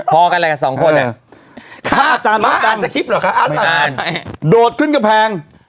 พอกันแล้วสองคนอ่ะฮะมาอ่านสทมิจหรอกคะอาจารย์ดวชขึ้นข้างแผง